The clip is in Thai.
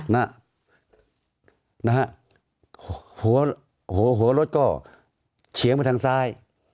หัวรถก็เฉียงไปทางซ้าย